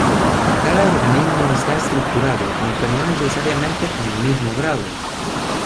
Cada organismo está estructurado, aunque no necesariamente con el mismo grado.